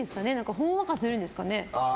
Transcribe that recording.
ほんわかするんですかね。